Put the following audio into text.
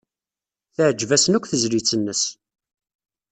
Teɛjeb-asen akk tezlit-nnes.